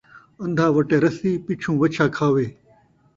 اندھا وٹے رسی، پچھوں وَچھا کھاوے